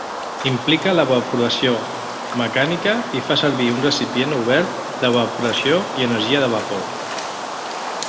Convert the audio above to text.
Implica l'evaporació mecànica i fa servir un recipient obert d'evaporació i energia de vapor.